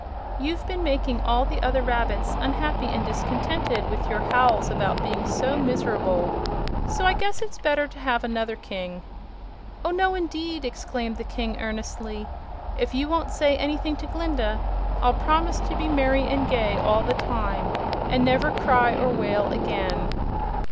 "You've been making all the other rabbits unhappy and discontented with your howls about being so miserable. So I guess it's better to have another King." "Oh, no indeed!" exclaimed the King, earnestly. "If you won't say anything to Glinda I'll promise to be merry and gay all the time, and never cry or wail again."